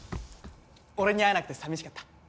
俺に会えなくて寂しかった？